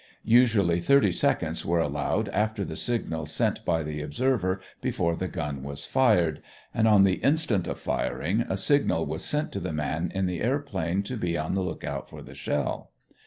Usually thirty seconds were allowed after the signal sent by the observer before the gun was fired, and on the instant of firing, a signal was sent to the man in the airplane to be on the lookout for the shell.